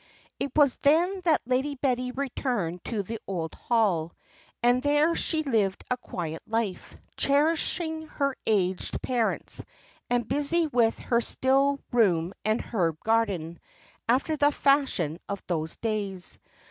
"It was then that Lady Betty returned to the old Hall. And there she lived a quiet life, cherishing her aged parents, and busy with her still room and herb garden, after the fashion of those days.